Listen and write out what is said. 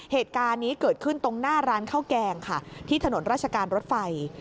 เหตุการณ์นี้เกิดขึ้นตรงหน้าร้านข้าวแกงค่ะที่ถนนราชการรถไฟ